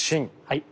はい。